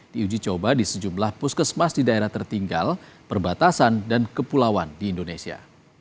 diuji coba di sejumlah puskesmas di daerah tertinggal perbatasan dan kepulauan di indonesia